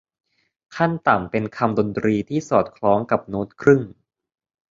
ขั้นต่ำเป็นคำดนตรีที่สอดคล้องกับโน๊ตครึ่ง